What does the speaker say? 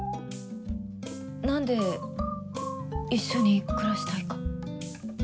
何で一緒に暮らしたいか。